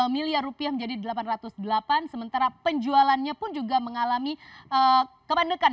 satu miliar rupiah menjadi delapan ratus delapan sementara penjualannya pun juga mengalami kepandekan